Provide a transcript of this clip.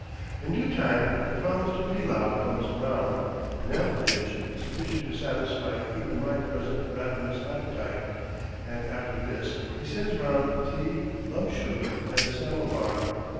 In due time the promised pillau comes round, an ample dish, sufficient to satisfy even my present ravenous appetite, and after this he sends round tea, lump sugar, and a samovar.